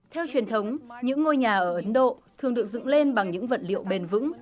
theo truyền thống những ngôi nhà ở ấn độ thường được dựng lên bằng những vật liệu bền vững